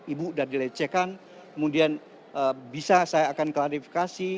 ibu sudah dilecehkan kemudian bisa saya akan klarifikasi